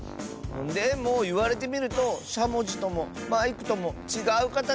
でもいわれてみるとしゃもじともマイクともちがうかたちかも。